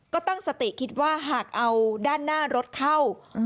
ก็ตั้งสติคิดว่าหากเอาด้านหน้ารถเข้า